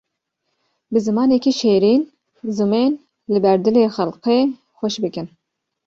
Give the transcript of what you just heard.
Bi zimanekî şêrîn zimên li ber dilê xelkê xweş bikin.